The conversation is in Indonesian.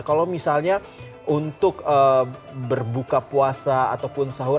kalau misalnya untuk berbuka puasa ataupun sahur